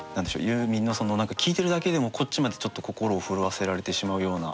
ユーミンのその何か聴いてるだけでもこっちまでちょっと心を震わせられてしまうような。